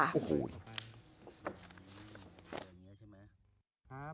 โอ้โห